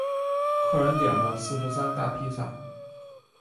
客人点了四十三大披萨